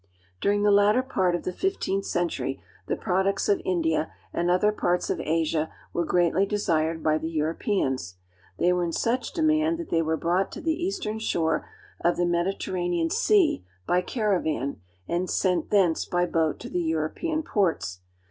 During the latter part of the fifteenth century the products of India and other parts of Asia were greatly desired by the Europeans. They were in such demand that they were brought to the eastern shore of the Medi terranean Sea by caravan, and sent thence by boat to the European ports.